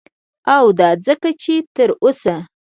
او دا ځکه چه تر اوسه